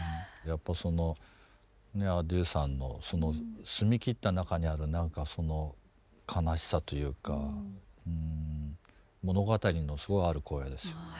やっぱそのねａｄｉｅｕさんのその澄み切った中にある何かその悲しさというかうん物語のすごいある声ですよね。